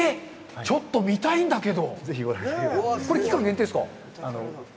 ちょっと見たいんだけど。